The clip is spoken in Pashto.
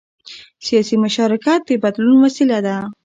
سیاسي مشارکت د بدلون وسیله ده